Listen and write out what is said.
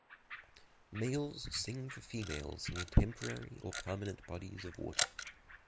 Males sing for females near temporary or permanent bodies of water.